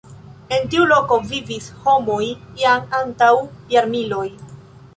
En tiu loko vivis homoj jam antaŭ jarmiloj.